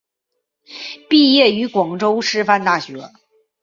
毕业于广州师范大学。